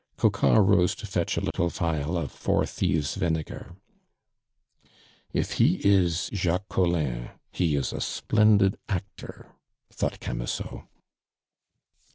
Coquart rose to fetch a little phial of "Four thieves' Vinegar." "If he is Jacques Collin, he is a splendid actor!" thought Camusot.